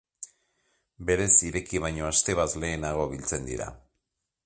Berez ireki baino aste bat lehenago biltzen dira.